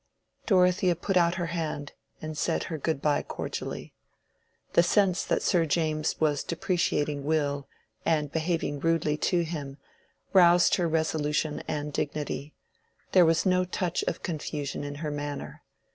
Dorothea put out her hand and said her good by cordially. The sense that Sir James was depreciating Will, and behaving rudely to him, roused her resolution and dignity: there was no touch of confusion in her manner.